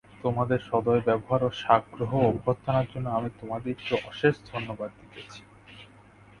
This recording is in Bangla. তোমাদর সদয় ব্যবহার ও সাগ্রহ অভ্যর্থনার জন্য আমি তোমাদিগকে অশেষ ধন্যবাদ দিতেছি।